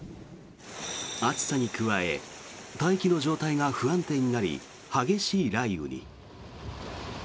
暑さに加え大気の状態が不安定になり激しい雷雨に。